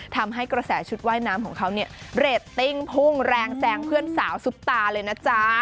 ทำให้กระแสชุดว่ายน้ำของเขาเนี่ยเรตติ้งพุ่งแรงแซงเพื่อนสาวซุปตาเลยนะจ๊ะ